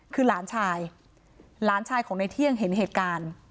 คือหลานชายหลานชายของในเที่ยงเห็นเหตุการณ์